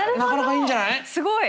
すごい。